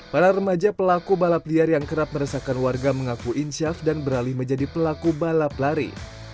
para remaja pelaku balap liar yang kerap meresahkan warga mengaku insyaf dan beralih menjadi pelaku balap lari